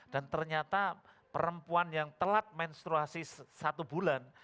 dan ternyata perempuan yang telat menstruasi satu bulan